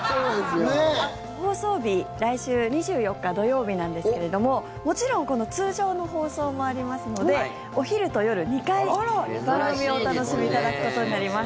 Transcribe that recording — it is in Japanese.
放送日来週２４日土曜日なんですけどももちろん通常の放送もありますのでお昼と夜、２回番組をお楽しみいただくことになります。